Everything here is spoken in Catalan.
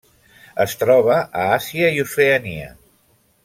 Es troba a Àsia i Oceania.